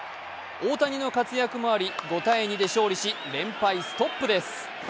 大谷の活躍もあり、５−２で勝利し、連敗ストップです。